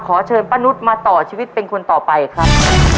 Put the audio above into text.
เชิญป้านุษย์มาต่อชีวิตเป็นคนต่อไปครับ